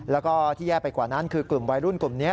แล้วก็ที่แย่ไปกว่านั้นคือกลุ่มวัยรุ่นกลุ่มนี้